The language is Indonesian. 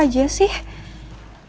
kayaknya gue harus buang sekarang deh